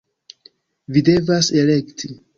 - Vi devas elekti!